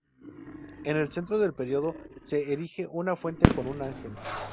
En el centro del predio, se erige una fuente con un ángel.